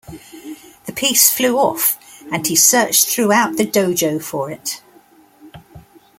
The piece flew off, and he searched throughout the dojo for it.